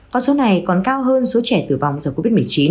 con số này còn cao hơn số trẻ tử vong do covid một mươi chín